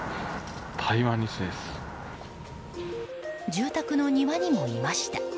住宅の庭にもいました。